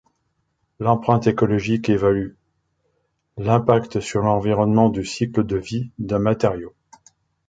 L'empreinte écologique évalue l'impact sur l’environnement du cycle de vie d'un matériau.